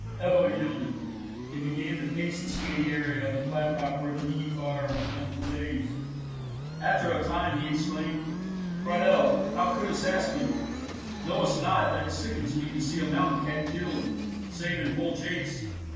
Ebbo yielded, and began to pace the scanty area of the flat rock where the need fire was wont to blaze. After a time he exclaimed: "Friedel, how couldst ask me? Knowst not that it sickens me to see a mountain cat killed, save in full chase.